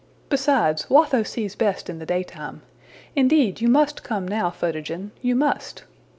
Besides, Watho sees best in the daytime. Indeed, you must come now, Photogen. You must.''